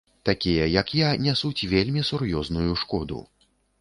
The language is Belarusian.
Такія, як я, нясуць вельмі сур'ёзную шкоду.